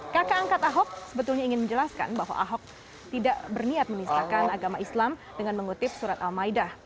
kakak angkat ahok sebetulnya ingin menjelaskan bahwa ahok tidak berniat menistakan agama islam dengan mengutip surat al maidah